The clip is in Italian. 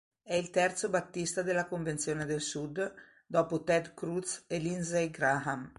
È il terzo Battista della Convenzione del Sud dopo Ted Cruz e Lindsey Graham.